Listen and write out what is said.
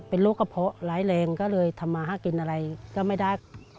เป็นโรคกระเพาะร้ายแรงก็เลยทำมาหากินอะไรก็ไม่ได้